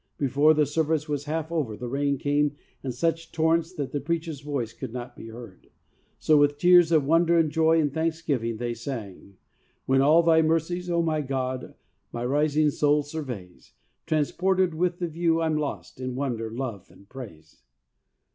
Before the service was half over the rain came in such torrents that the preacher's voice could not be heard ; so with tears of wonder and joy and thanksgiving, they sang. When all Thy mercies, O my God, My rising soul surveys. Transported with the view I'm lost In wonder, love, and praise.